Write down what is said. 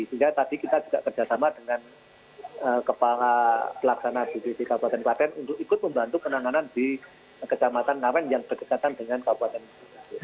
sehingga tadi kita juga kerjasama dengan kepala pelaksana bpbd kabupaten klaten untuk ikut membantu penanganan di kecamatan ngawen yang berdekatan dengan kabupaten